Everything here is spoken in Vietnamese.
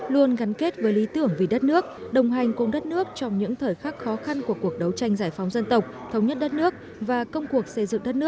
luôn gắn kết với lý tưởng vì đất nước đồng hành cùng đất nước trong những thời khắc khó khăn của cuộc đấu tranh giải phóng xã hội